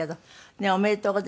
ねえ。おめでとうございます」